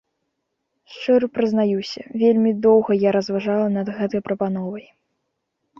Шчыра прызнаюся, вельмі доўга я разважала над гэтай прапановай.